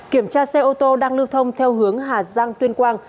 kiểm tra xe ô tô đang lưu thông theo hướng hà giang tuyên quang